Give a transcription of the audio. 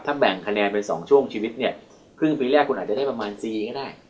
แบ่งคะแนนไป๒ช่วงชีวิตเนี่ยครึ่งปีแรกคุณอาจจะได้ประมาณ๔ก็ได้